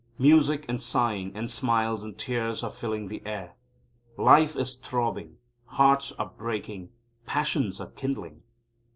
Music and sighing, and smiles and tears, are filling the air. Life is throbbing; hearts are breaking; passions are kindling.